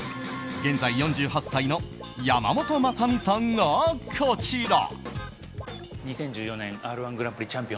現在４８歳のやまもとまさみさんが、こちら。